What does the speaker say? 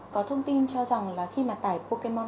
có thông tin cho rằng là khi mà tập trung vào cái camera này